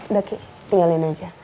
daki tinggalin aja